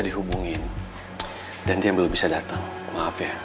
dihubungin dan dia belum berhenti menunggu ya ya ya ya ya ya ya ya ya ya ya ya ya ya ya ya ya ya